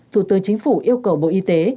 thủ tư chính phủ yêu cầu bộ y tế